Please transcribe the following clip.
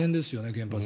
原発。